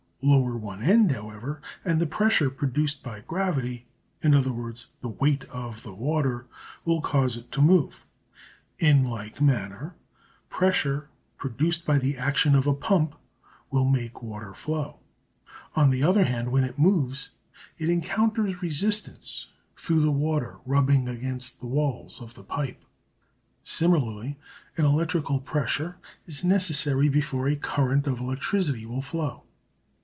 Lower one end, however, and the pressure produced by gravity in other words, the weight of the water will cause it to move. In like manner pressure produced by the action of a pump will make water flow. On the other hand, when it moves it encounters resistance, through the water rubbing against the walls of the pipe. Similarly, an electrical pressure is necessary before a current of electricity will flow.